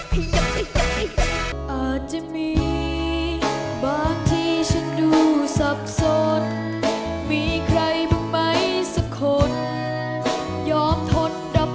ถึงต้องหลั่งน้ำตาด้วยมันเป็นอย่างไรรู้สึกอย่างไร